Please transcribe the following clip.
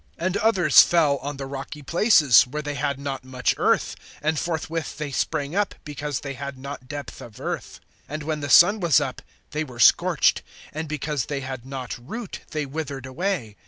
(5)And others fell on the rocky places, where they had not much earth; and forthwith they sprang up, because they had not depth of earth. (6)And when the sun was up, they were scorched; and because they had not root, they withered away.